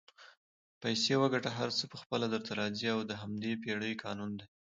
پیسې وګټه هر څه پخپله درته راځي دا د همدې پیړۍ قانون دئ